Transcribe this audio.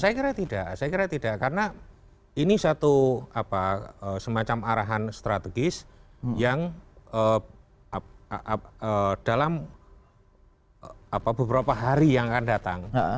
saya kira tidak saya kira tidak karena ini satu semacam arahan strategis yang dalam beberapa hari yang akan datang